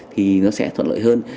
thì nó sẽ thuận lợi hơn